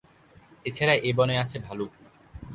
এছাড়া এ বনে আছে ভালুক।